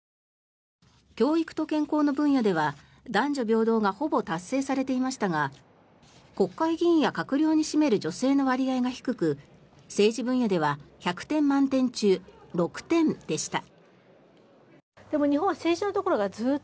教育と健康の分野では男女平等がほぼ達成されていましたが国会議員や閣僚に占める女性の割合が低く政治分野では１００点満点中６点でした。